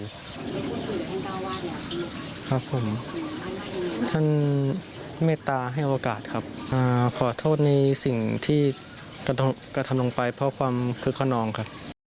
ครับผมท่านเมตตาให้โอกาสครับขอโทษในสิ่งที่กระทำลงไปเพราะความคึกขนองครับ